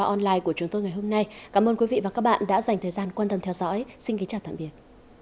một trăm một mươi ba online của chúng tôi ngày hôm nay cảm ơn quý vị và các bạn đã dành thời gian quan tâm theo dõi xin kính chào tạm biệt